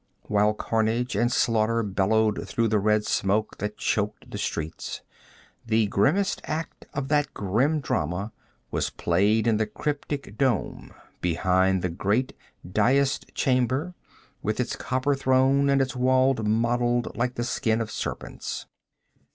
While carnage and slaughter bellowed through the red smoke that choked the streets, the grimmest act of that grim drama was played in the cryptic dome behind the great daised chamber with its copper throne and its walls mottled like the skin of serpents.